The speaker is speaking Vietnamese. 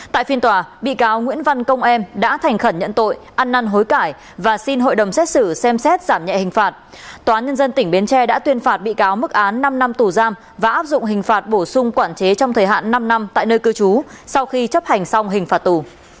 tại phiên tòa bị cáo nguyễn văn công em đã thành khẩn nhận tội ăn năn hối cải và xin hội đồng xét xử xem xét giảm nhẹ hình phạt tòa án nhân dân tỉnh bến tre đã tuyên phạt bị cáo mức án năm năm tù giam và áp dụng hình phạt bổ sung quản chế trong thời hạn năm năm tại nơi cư trú sau khi chấp hành xong hình phạt tù